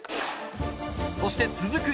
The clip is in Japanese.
そして続く